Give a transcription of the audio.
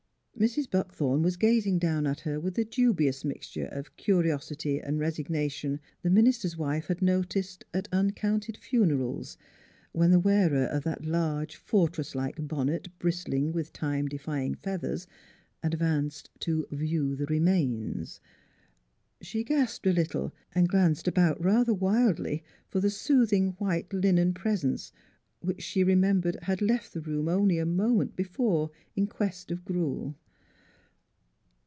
Mrs. Buckthorn was gazing down at her with the dubious mixture of curiosity and resignation the minister's wife had noticed at uncounted funerals, when the wearer of that large fortress like bonnet bristling with time defying feathers, advanced to " view the re mains." She gasped a little and glanced about rather wildly for the soothing white linen pres ence, which she remembered had left the room only a moment before in quest of gruel.